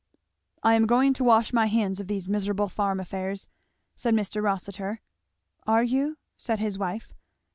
"I am going to wash my hands of these miserable farm affairs," said Mr. Rossitur. "Are you?" said his wife.